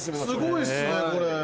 すごいっすねこれ。